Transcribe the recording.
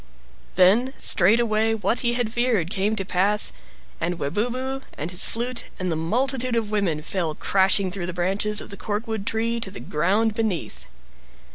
Then straightway what he had feared came to pass, and Webubu, and his flute, and the multitude of women fell crashing through the branches of the corkwood tree to the ground beneath.